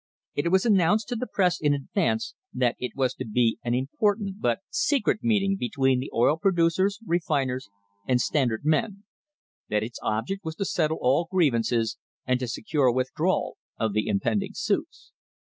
It was announced to the press in advance that it was to be an important but secret meeting between the oil producers, refin ers and Standard men ; that its object was to settle all griev ances, and to secure a withdrawal of the impending suits.